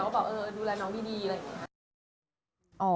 แบบเออดูแลน้องดีอะไรอย่างนี้